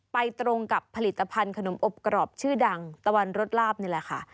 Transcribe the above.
ตรงกับผลิตภัณฑ์ขนมอบกรอบชื่อดังตะวันรสลาบนี่แหละค่ะ